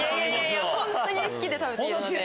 本当に好きで食べているので。